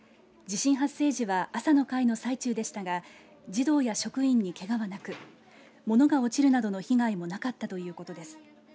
地震発生時は朝の会の最中でしたが児童や職員にけがはなく物が落ちるなどの被害もなかったということです。